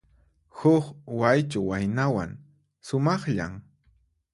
Huk Waychu waynawan, sumaqllan.